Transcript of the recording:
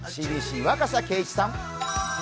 ＣＢＣ、若狭敬一さん。